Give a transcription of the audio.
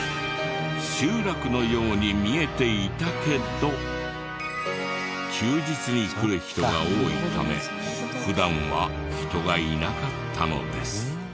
集落のように見えていたけど休日に来る人が多いため普段は人がいなかったのです。